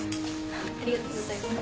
ありがとうございます。